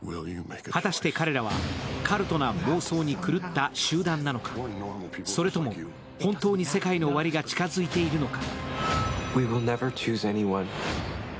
果たして彼らはカルトな妄想に狂った集団なのか、それとも本当に世界の終わりが近づいているのか。